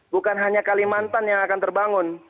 bukan hanya kalimantan yang akan terbangun